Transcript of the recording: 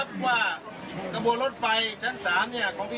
ก็ต้องมารถไปกระบวนทางหาข้าวกินค่ะ